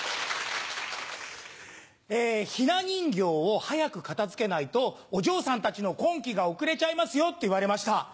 「ひな人形を早く片付けないとお嬢さんたちの婚期が遅れちゃいますよ」って言われました。